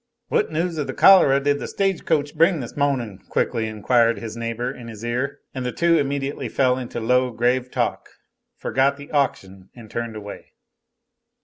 "What news of the cholera did the stage coach bring this mohning?" quickly inquired his neighbor in his ear; and the two immediately fell into low, grave talk, forgot the auction, and turned away.